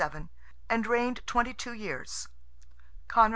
797), and reigned twenty two years; Conor II.